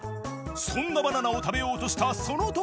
そんなバナナを食べようとしたその時！